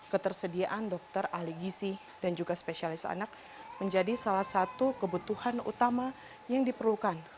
ketersediaan dokter ahli gizi dan juga spesialis anak menjadi salah satu kebutuhan utama yang diperlukan